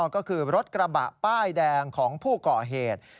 ก็คือรถกระบะป้ายแดงของผู้ก่อเหตุ